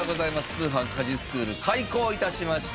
通販☆家事スクール開校致しました。